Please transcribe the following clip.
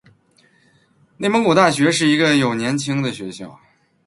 内蒙古大学是一个有年轻的学校。